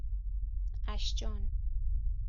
اَشجان